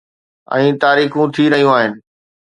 ۽ تاريخون ٿي رهيون آهن.